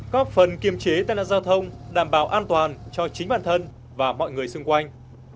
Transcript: có phần kiềm chế tai nạn giao thông đảm bảo an toàn cho chính bản thân và mọi người xung quanh